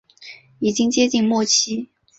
已经接近末期